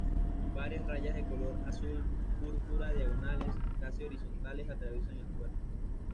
Varias rayas de color azul-púrpura diagonales, casi horizontales, atraviesan el cuerpo.